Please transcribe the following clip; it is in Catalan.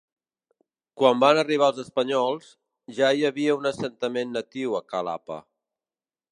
Quan van arribar els espanyols, ja hi havia un assentament natiu a Calape.